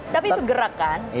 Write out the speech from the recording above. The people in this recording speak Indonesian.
tapi itu gerakan